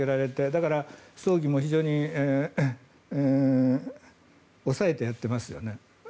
だから、葬儀も非常に抑えてやってますよね。